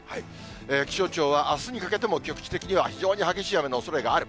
気象庁はあすにかけても局地的には非常に激しい雨のおそれがある。